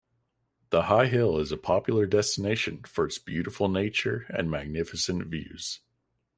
The high hill is a popular destination for its beautiful nature and magnificent views.